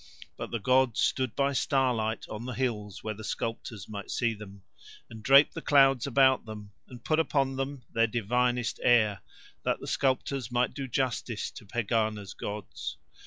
But the gods stood by starlight on the hills where the sculptors might see Them, and draped the clouds about Them, and put upon Them Their divinest air, that sculptors might do justice to Pegāna's gods.